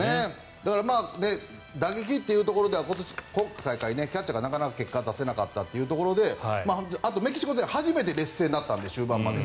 だから打撃というところではなかなか結果を出せなかったというところであとメキシコって初めて劣勢になったので終盤で。